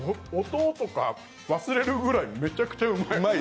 音とか忘れるぐらいめちゃくちゃうまい。